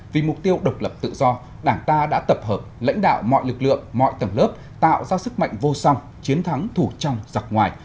vì mục tiêu độc lập tự do đảng ta đã tập hợp lãnh đạo mọi lực lượng mọi tầng lớp tạo ra sức mạnh vô song chiến thắng thủ trong giặc ngoài